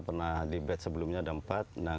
pernah dibet sebelumnya ada empat